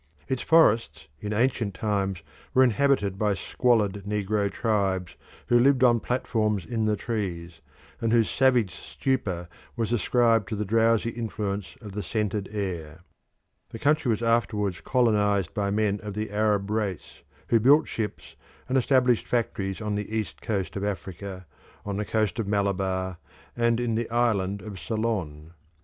Its forests in ancient times were inhabited by squalid negro tribes who lived on platforms in the trees, and whose savage stupor was ascribed to the drowsy influence of the scented air. The country was afterwards colonised by men of the Arab race, who built ships and established factories on the east coast of Africa, on the coast of Malabar, and in the island of Ceylon.